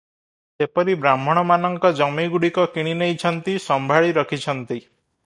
ସେପରି ବ୍ରାହ୍ମଣମାନଙ୍କ ଜମିଗୁଡ଼ିକ କିଣିନେଇଛନ୍ତି, ସମ୍ଭାଳି ରଖିଛନ୍ତି ।